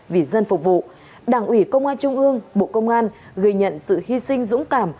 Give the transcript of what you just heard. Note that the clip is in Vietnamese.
vì dân phục vụ đảng ủy công an trung ương bộ công an ghi nhận sự hy sinh dũng cảm